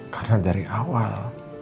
karena dari awal